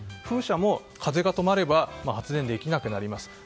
風車も風が止まれば発電できなくなります。